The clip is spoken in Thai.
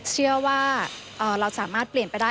เชื่อว่าเราสามารถเปลี่ยนไปได้